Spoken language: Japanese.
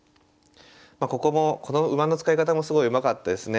ここもこの馬の使い方もすごいうまかったですね。